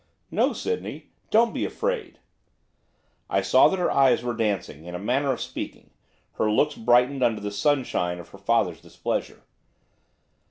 'No; Sydney, don't be afraid.' I saw that her eyes were dancing, in a manner of speaking, her looks brightened under the sunshine of her father's displeasure.